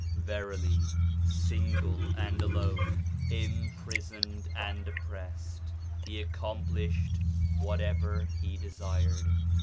Verily, single and alone, imprisoned and oppressed, he accomplished whatever he desired.